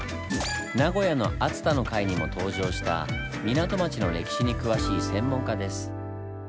名古屋の熱田の回にも登場した港町の歴史に詳しい専門家です。